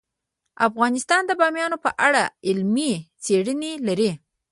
افغانستان د بامیان په اړه علمي څېړنې لري.